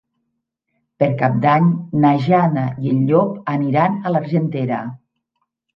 Per Cap d'Any na Jana i en Llop aniran a l'Argentera.